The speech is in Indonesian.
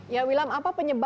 ya william apa penyebabnya